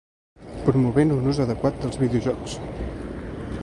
Promovent un ús adequat dels videojocs.